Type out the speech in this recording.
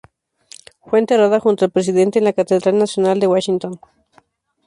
Fue enterrada junto al Presidente en la Catedral nacional de Washington.